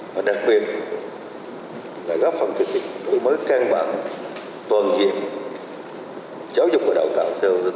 và đặc biệt là góp phần thực hiện mới căng bẳng toàn diện giáo dục và đào tạo